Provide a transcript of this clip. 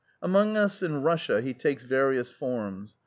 Among us in Russia he takes various forms.